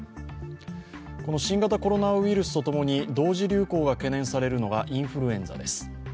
この新型コロナウイルスとともに同時流行が懸念されるのがインフルエンザです。